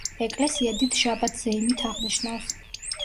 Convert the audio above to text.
ეკლესია დიდ შაბათს ზეიმით აღნიშნავს.